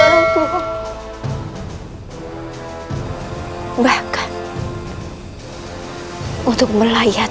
aku bisa untuk dikawal